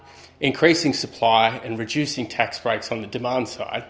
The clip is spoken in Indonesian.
menguasai sumber dan mengurangi perangkat uang di bagian permintaan